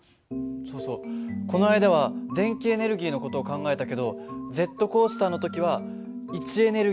そうそうこの間は電気エネルギーの事を考えたけどジェットコースターの時は位置エネルギーと運動エネルギーだった。